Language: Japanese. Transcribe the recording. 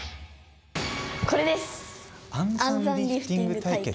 これです！